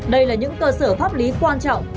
đây là những cơ sở pháp lý quan trọng